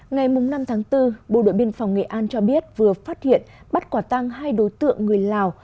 ngày năm tháng bốn bộ đội biên phòng nghệ an cho biết vừa phát hiện bắt quả tăng hai đối tượng người lào